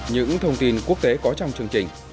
những thông tin quốc tế có trong chương trình